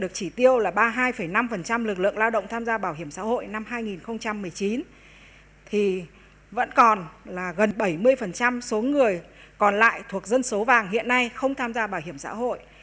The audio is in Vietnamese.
được chỉ tiêu là ba mươi hai năm lực lượng lao động tham gia bảo hiểm xã hội năm hai nghìn một mươi chín thì vẫn còn là gần bảy mươi số người còn lại thuộc dân số vàng hiện nay không tham gia bảo hiểm xã hội